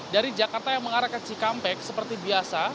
dari jakarta yang mengarah ke cikampek seperti biasa